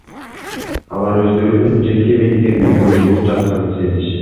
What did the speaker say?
Алар өздөрүнүн жеке мейкиндиги бузулуп жатканын сезишет.